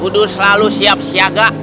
kudus selalu siap siaga